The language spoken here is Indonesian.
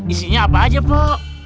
isinya apa aja pok